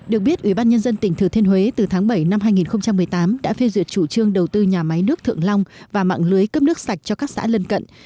được biết ủy ban nhân dân tỉnh thừa thiên huế từ tháng bảy năm hai nghìn một mươi tám đã phê duyệt chủ trương đầu tư nhà máy nước thượng long và mạng lưới cấp nước sạch cho các xã lân cận